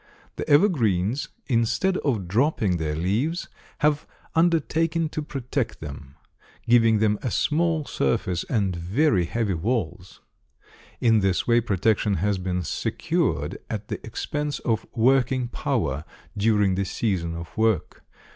The evergreens, instead of dropping their leaves, have undertaken to protect them, giving them a small surface and very heavy walls. In this way protection has been secured at the expense of working power during the season of work.